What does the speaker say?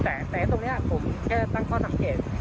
ตั้งแต่ตรงนี้ผมแค่ตั้งข้อดันเกรด